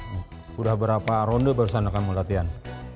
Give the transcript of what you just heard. sudah berapa ronde baru sana kamu latihan